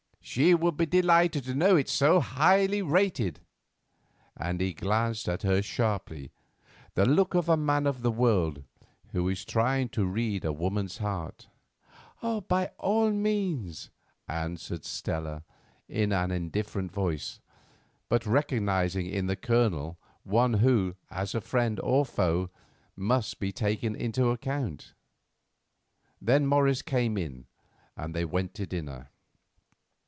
She would be delighted to know it so highly rated;" and he glanced at her sharply, the look of a man of the world who is trying to read a woman's heart. "By all means," answered Stella, in an indifferent voice, but recognising in the Colonel one who, as friend or foe, must be taken into account. Then Morris came in, and they went to dinner.